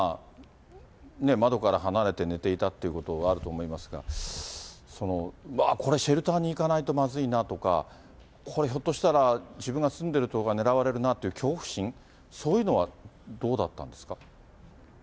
窓から離れて寝ていたということもあると思いますが、うわー、これシェルターに行かないとまずいなとか、これ、ひょっとしたら自分が住んでいる所がねらわれるなっていう恐怖心、そういうのはどうだったんですか？